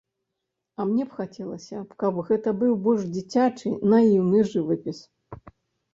А мне хацелася, каб гэта быў больш дзіцячы, наіўны жывапіс.